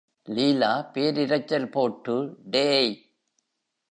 லீலா பேரிரைச்சல் போட்டு டேய்!